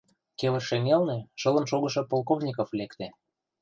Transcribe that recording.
Кевыт шеҥгелне шылын шогышо Полковников лекте.